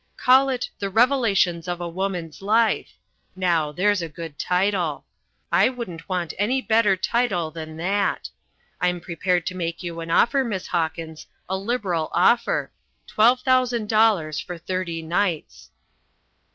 Call it The Revelations of a Woman's Life; now, there's a good title. I wouldn't want any better title than that. I'm prepared to make you an offer, Miss Hawkins, a liberal offer, twelve thousand dollars for thirty nights."